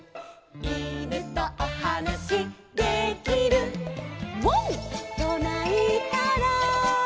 「いぬとおはなしできる」「ワンとないたら」